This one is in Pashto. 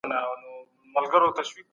د پانګې انتقال هیواد ته زیان رسوي.